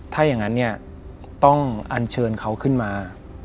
ถ้าอย่างนั้นเนี่ยต้องอันเชิญเขาขึ้นมา